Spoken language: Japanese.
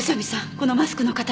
このマスクの形。